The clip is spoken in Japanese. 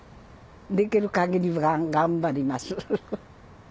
できる限り頑張ります。